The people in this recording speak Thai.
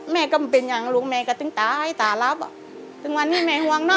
แม่ก็ไม่เป็นอย่างลูกแม่ก็ตึงตาให้ตารับตึงวันนี้แม่ห่วงน้อง